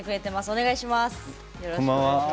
お願いします。